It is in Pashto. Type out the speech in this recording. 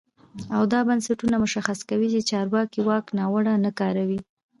او دا بنسټونه مشخص کوي چې چارواکي واک ناوړه نه کاروي.